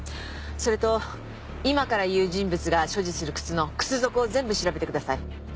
それと今から言う人物が所持する靴の靴底を全部調べてください。